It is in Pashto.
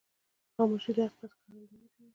خاموشي، د حقیقت ښکارندویي کوي.